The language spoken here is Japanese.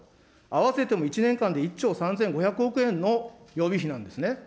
合わせても１年で１兆３５００億円の予備費なんですね。